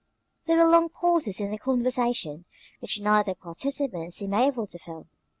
There were long pauses in the conversation, which neither participant seemed able to fill.